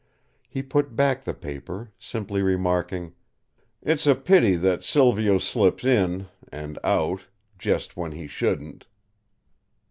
He put back the paper, simply remarking: "It's a pity that Silvio slips in—and out—just when he shouldn't."